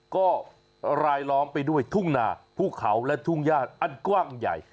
ก็รายล้อมไปด้วยทุ่งนาภูเขาและทุ่งญาติอันกว้างใหญ่